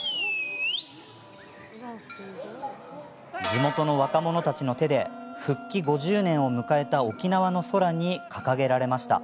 地元の若者たちの手で復帰５０年を迎えた沖縄の空に掲げられました。